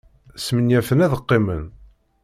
Smenyafen ad qqimen.